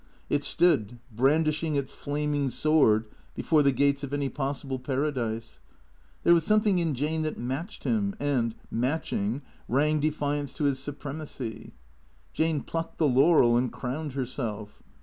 It stood, brandishing its flaming sword before the gates of any possible paradise. There was something in Jane that matched him, and, matching, rang defi ance to his supremacy. Jane plucked the laurel and crowned herself.